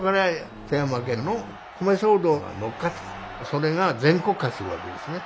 それが全国化するわけですね。